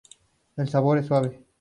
El sabor es suave.